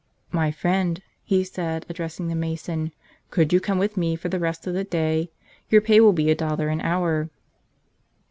"My friend," he said, addressing the mason, "could you come with me for the rest of the day? Your pay will be a dollar an hour."